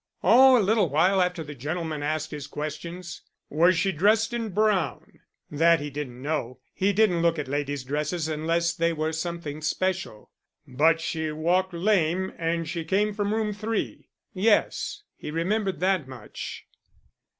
"Oh a little while after the gentleman asked his questions." "Was she dressed in brown?" That he didn't know. He didn't look at ladies' dresses unless they were something special. "But she walked lame and she came from Room 3?" Yes. He remembered that much.